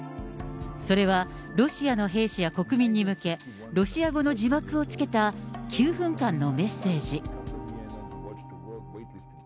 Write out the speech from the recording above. それはロシアの兵士や国民に向け、ロシア語の字幕をつけた９分間のメッセージ。